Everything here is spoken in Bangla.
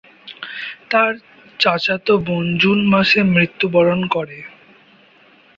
তার চাচাতো বোন জুন মাসে মৃত্যুবরণ করে।